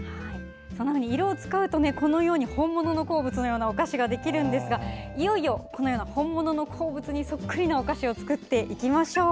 色を使うとこのように本物の鉱物のようなお菓子ができるんですがいよいよ本物の鉱物にソックリなお菓子を作っていきましょう。